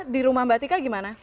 di rumah mbak tika gimana